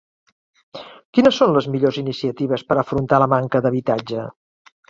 Quines són les millors iniciatives per afrontar la manca d'habitatge?